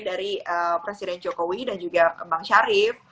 dari presiden jokowi dan juga bang syarif